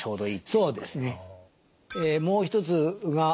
そうですね。